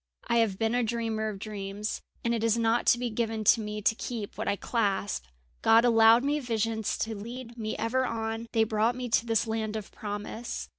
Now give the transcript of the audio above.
"I have been a dreamer of dreams, and it is not to be given to me to keep what I clasp. God allowed me visions to lead me ever on; they brought me to this land of promise.